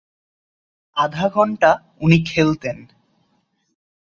আধা ঘণ্টা উনি খেলতেন।